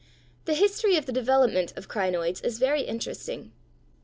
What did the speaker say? The history of the development of crinoids is very interesting.